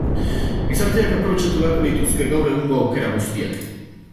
Gizarteak aprobetxatu beharko lituzke gaur egungo aukera guztiak.